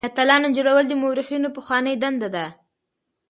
د اتلانو جوړول د مورخينو پخوانۍ دنده ده.